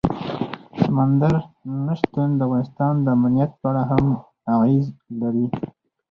سمندر نه شتون د افغانستان د امنیت په اړه هم اغېز لري.